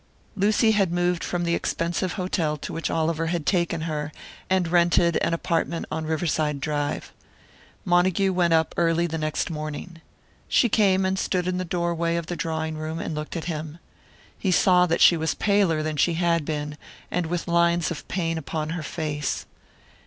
Lucy had moved from the expensive hotel to which Oliver had taken her, and rented an apartment on Riverside Drive. Montague went up early the next morning. She came and stood in the doorway of the drawing room and looked at him. He saw that she was paler than she had been, and with lines of pain upon her face.